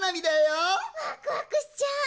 わくわくしちゃう！